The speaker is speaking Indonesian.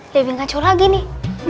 lebih ngacau lagi nih